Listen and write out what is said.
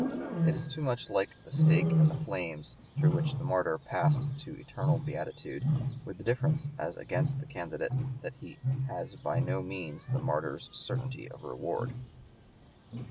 It is too much like the stake and the flames through which the martyr passed to eternal beatitude, with the difference as against the candidate that he has by no means the martyr's certainty of reward.